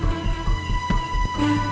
pentingnya lebih lemit nanti